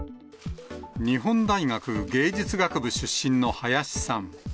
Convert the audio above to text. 日本大学芸術学部出身の林さん。